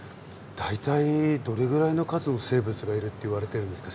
大体どれぐらいの数の生物がいるっていわれてるんですか？